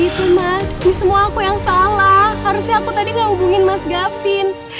ini mas ini semua aku yang salah harusnya aku tadi ngehubungin mas gavin